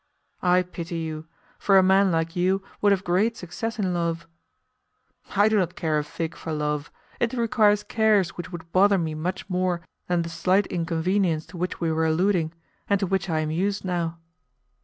"I pity you, for a man like you would have great success in love." "I do not care a fig for love; it requires cares which would bother me much more than the slight inconvenience to which we were alluding, and to which I am used now."